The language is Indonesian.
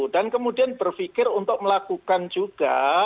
dan kemudian berpikir untuk melakukan juga